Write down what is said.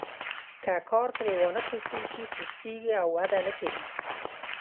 که کار ترې وانخیستل شي سستیږي او وده نه کوي.